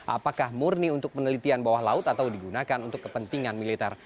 apakah murni untuk penelitian bawah laut atau digunakan untuk kepentingan militer